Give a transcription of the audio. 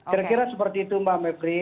kira kira seperti itu mbak mepri